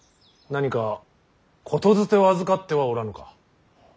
何か言づてを預かってはおらぬか。